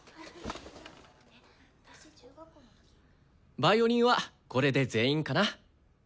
ヴァイオリンはこれで全員かな？